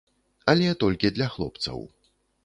Але толькі для хлопцаў.